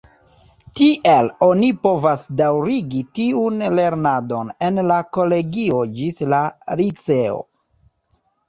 Tiel, oni povas daŭrigi tiun lernadon en la kolegio ĝis la liceo.